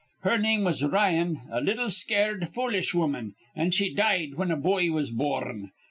Her name was Ryan, a little, scared, foolish woman; an' she died whin a boy was bor rn.